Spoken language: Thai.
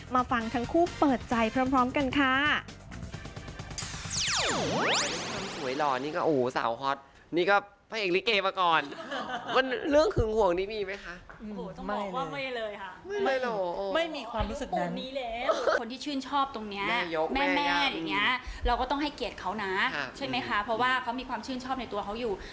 ฟังทั้งคู่เปิดใจพร้อมกันค่ะ